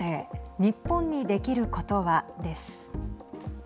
日本にできることはです。